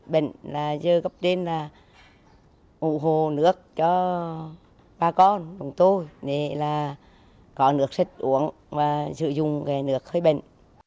bệnh là giờ gặp đến là ủ hồ nước cho ba con bọn tôi nên là có nước sạch uống và sử dụng cái nước khơi bệnh